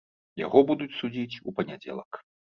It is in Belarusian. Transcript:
Яго будуць судзіць у панядзелак.